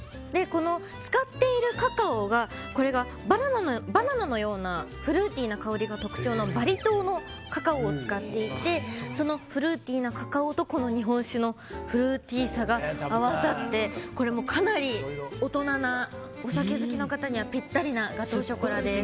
使っているカカオがバナナのようなフルーティーな香りが特徴のバリ島のカカオを使っていてフルーティーなカカオと日本酒のフルーティーさが合わさってかなり大人なお酒好きの方にはすごい不思議！